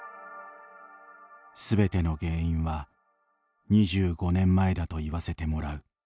すべての原因は２５年前だと言わせてもらう。